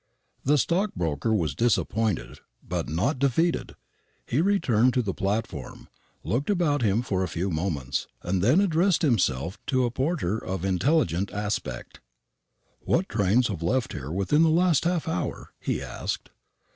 The stockbroker was disappointed, but not defeated. He returned to the platform, looked about him for a few moments, and then addressed himself to a porter of intelligent aspect. "What trains have left here within the last half hour?" he asked.